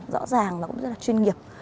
rõ ràng và cũng rất là chuyên nghiệp